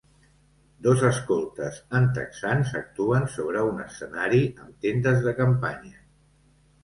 Dos escoltes en texans actuen sobre un escenari amb tendes de campanya.